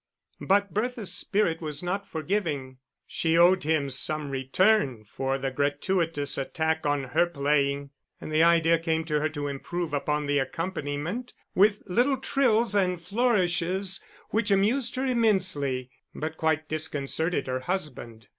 But Bertha's spirit was not forgiving, she owed him some return for the gratuitous attack on her playing; and the idea came to her to improve upon the accompaniment with little trills and flourishes which amused her immensely, but quite disconcerted her husband.